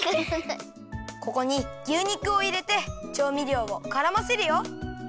ここに牛肉をいれてちょうみりょうをからませるよ。